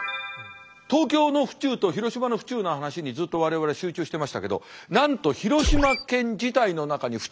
東京の府中と広島の府中の話にずっと我々集中してましたけどなんと広島県自体の中に府中が２つあるんです。